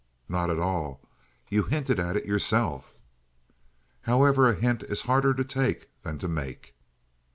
"Not at all. You hinted at it yourself." "However, a hint is harder to take than to make."